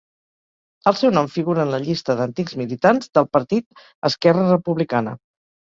El seu nom figura en la llista d'antics militants del Partit Esquerra Republicana.